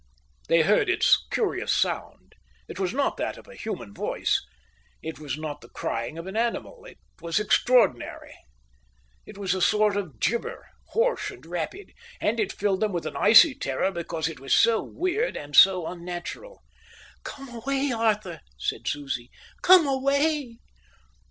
They heard its curious sound: it was not that of a human voice, it was not the crying of an animal, it was extraordinary. It was the sort of gibber, hoarse and rapid, and it filled them with an icy terror because it was so weird and so unnatural. "Come away, Arthur," said Susie. "Come away."